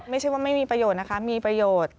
ไม่ใช่ว่าไม่มีประโยชน์นะคะมีประโยชน์